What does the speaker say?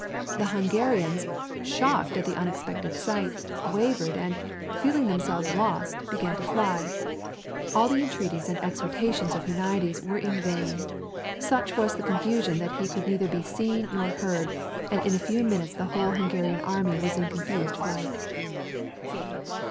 The Hungarians, shocked at the unexpected sight, wavered and, feeling themselves lost, began to fly. All the entreaties and exhortations of Huniades were in vain. Such was the confusion that he could be neither seen nor heard, and in a few minutes the whole Hungarian army was in confused flight.